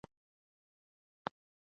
پېیر کوري د لابراتوار کار ته دوام ورکړ.